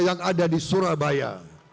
yang ada di surabaya